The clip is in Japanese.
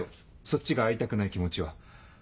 そっちが会いたくない気持ちは。